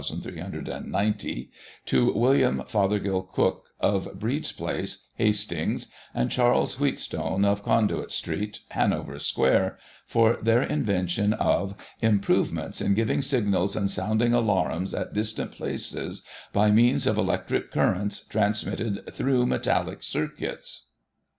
7390) to William Fothergill Cooke, of Breeds Place, Hastings, and Charles Wheatstone, of Conduit Street, Hanover Square, for their invention of "Improvements in giving signals and sounding alanuns at distant places by means of electric currents transmitted through metaUic circuits."